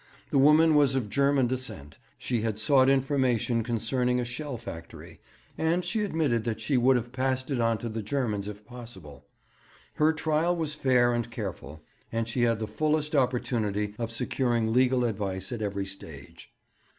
The woman was of German descent; she had sought information concerning a shell factory, and she admitted that she would have passed it on to the Germans if possible. Her trial was fair and careful, and she had the fullest opportunity of securing legal advice at every stage.